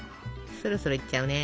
そろそろいっちゃうね。